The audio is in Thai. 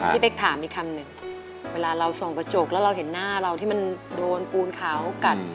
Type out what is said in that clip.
พี่เป๊กถามอีกคำหนึ่งเวลาเราส่องกระจกแล้วเราเห็นหน้าเราที่มันโดนปูนขาวกัด